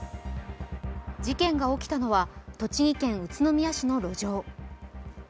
事件が起きたのは、栃木県宇都宮市の路上。